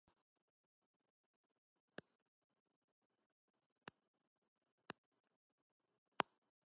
Kerosene is most often used as the fuel.